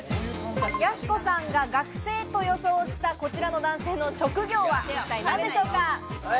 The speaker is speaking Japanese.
やす子さんが学生と予想したこちらの男性の職業は何でしょうか？